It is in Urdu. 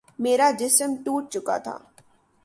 میرا جسم ٹوٹ چکا تھا